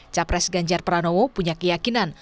capres ganjar pranowo punya keyakinan